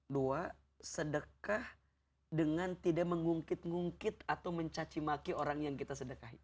dua sedekah dengan tidak mengungkit ngungkit atau mencacimaki orang yang kita sedekahin